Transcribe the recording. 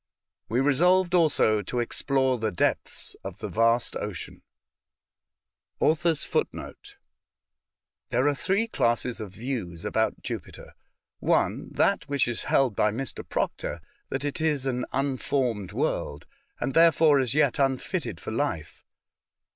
* We resolved also to explore the depths of the vast ocean. * There are three classes of views about Jupiter. (1) That which is held by Mr. Proctor, that it is an un formed world, and therefore as yet nntitted for life.